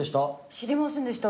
知りませんでした。